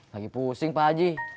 lagi pusing pak haji